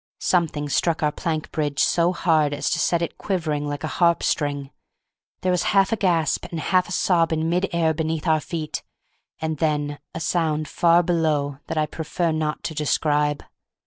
Something struck our plank bridge so hard as to set it quivering like a harp string; there was half a gasp and half a sob in mid air beneath our feet; and then a sound far below that I prefer not to describe.